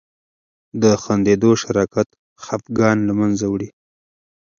د خندیدو شراکت خفګان له منځه وړي.